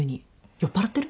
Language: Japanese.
酔っぱらってる？